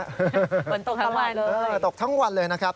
ฝนตกทั้งวันเลยสิฟะฝนตกทั้งวันเลยนะครับ